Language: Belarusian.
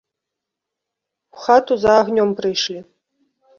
У хату за агнём прыйшлі.